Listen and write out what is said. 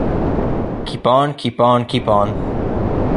Keep on, keep on, keep on.